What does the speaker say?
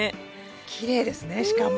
きれいですねしかも。